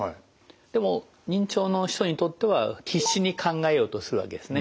でも認知症の人にとっては必死に考えようとするわけですね。